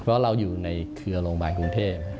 เพราะว่าเราอยู่ในเครือโรงพยาบาลกรุงเทพฯนี่ก็เป็นในระดับโลก